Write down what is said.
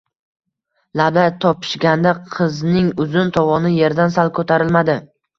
Lablar topishganda qizning uzun tovoni yerdan sal ko‘tarilmadi.